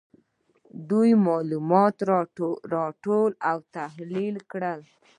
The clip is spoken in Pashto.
دوی معلومات راټول او تحلیل کړل.